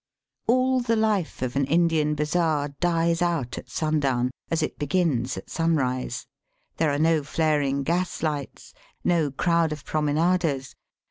All the life of an Indian bazaar dies out at sundown, as it begins at sunrise* There are no flaring gaslights, no crowd of promenaders.